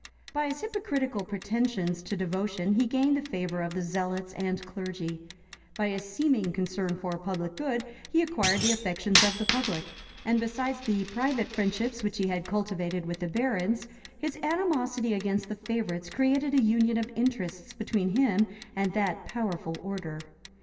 By his hypocritical pretensions to devotion he gained the favor of the zealots and clergy: by his seeming concern for public good he acquired the affections of the public: and besides the private friendships which he had cultivated with the barons, his animosity against the favorites created a union of interests between him and that powerful order.